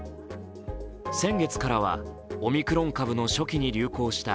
先月からはオミクロン株の初期に流行したＢＡ．